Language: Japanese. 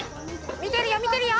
みてるよみてるよ。